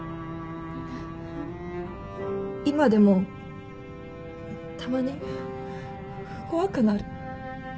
今でもたまに怖くなる。